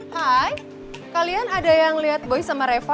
hai kalian ada yang lihat boy sama reva